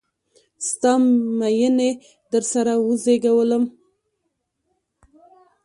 ستا میینې د سره وزیږولم